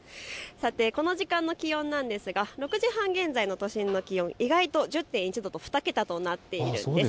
さて、この時間の気温なんですが６時半現在の都心の気温、意外と１０．１度と２桁となっています。